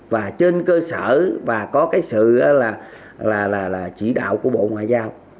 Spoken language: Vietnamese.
và trên cơ sở và có cái sự là chỉ đạo của bộ ngoại giao